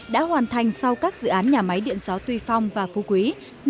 đã hoàn thành sau các dự án nhà máy điện gió tuy phong và phú quý